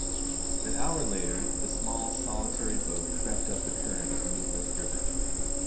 An hour later the small solitary boat crept up the current of the moonlit river.